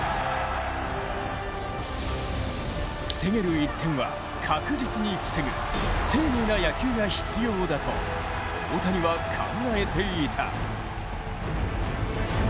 防げる１点は確実に防ぐ、丁寧な野球が必要だと大谷は考えていた。